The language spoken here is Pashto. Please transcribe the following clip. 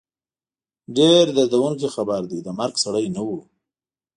ډېر دردوونکی خبر دی، د مرګ سړی نه وو